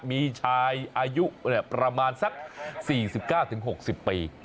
มีชายอายุประมาณสัก๔๙๖๐ปี